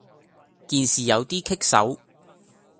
件事有啲棘手